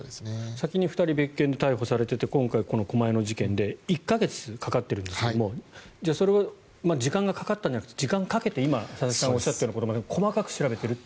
先に２人別件で逮捕されていて今回、この狛江の事件で１か月かかっているんですがそれは時間がかかったんじゃなくて時間をかけて、今、佐々木さんがおっしゃったようなことまで細かく調べていると。